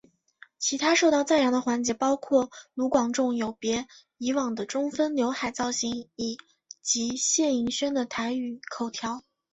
其他受到赞扬的环节包括卢广仲有别以往的中分浏海造型以及谢盈萱的台语口条。